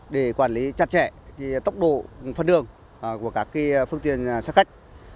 để quản lý chặt chẽ tốc độ phân đường của các phương tiện xác khách